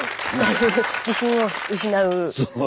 自信を失う。